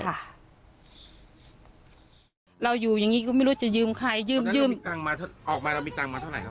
เราอยู่อย่างนี้ก็ไม่รู้จะยืมใครยืมยืมตังค์มาออกมาเรามีตังค์มาเท่าไหรครับ